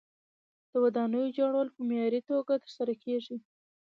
د ودانیو جوړول په معیاري توګه ترسره کیږي.